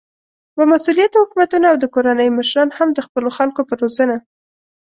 با مسؤليته حکومتونه او د کورنيو مشران هم د خپلو خلکو په روزنه